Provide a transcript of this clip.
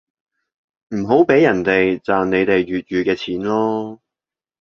唔好畀人哋賺你哋粵語嘅錢囉